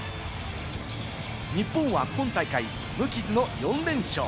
日本は今大会、無傷の４連勝。